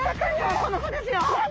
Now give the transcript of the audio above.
この子ですよ。